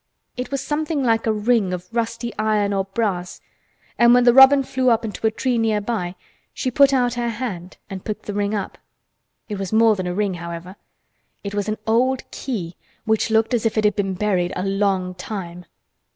It was something like a ring of rusty iron or brass and when the robin flew up into a tree nearby she put out her hand and picked the ring up. It was more than a ring, however; it was an old key which looked as if it had been buried a long time.